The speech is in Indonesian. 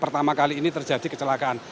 pertama kali ini terjadi kecelakaan